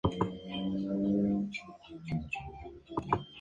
Están presentes en un único color, el rojo.